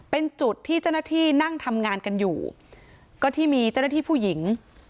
เป็นจุดที่เจ้าหน้าที่นั่งทำงานกันอยู่ก็ที่มีเจ้าหน้าที่ผู้หญิง